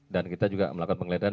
dan kita juga melakukan pengledahan